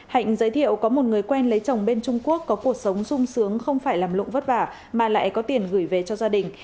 hạnh giới thiệu có một người quen lấy chồng bên trung quốc có cuộc sống sung sướng không phải làm lộng vất vả mà lại có tiền gửi về cho gia đình